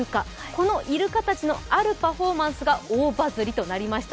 このいるかたちのあるパフォーマンスが大バズりとなりました。